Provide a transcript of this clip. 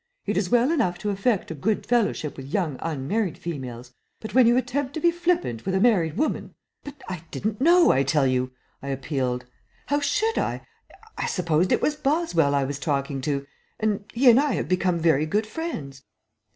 It is well enough to affect a good fellowship with young unmarried females, but when you attempt to be flippant with a married woman " "But I didn't know, I tell you," I appealed. "How should I? I supposed it was Boswell I was talking to, and he and I have become very good friends."